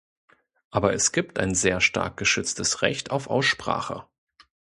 Aber es gibt ein sehr stark geschütztes Recht auf Aussprache.